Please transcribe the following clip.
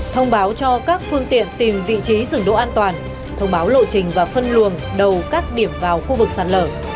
thông báo cho các phương tiện tìm vị trí dừng độ an toàn thông báo lộ trình và phân luồng đầu các điểm vào khu vực sạt lở